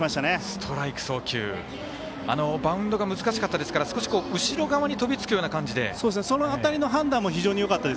ストライク送球でバウンドが難しかったですから後ろ側に飛びつく感じで。